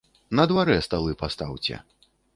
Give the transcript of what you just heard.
На дварэ сталы пастаўце.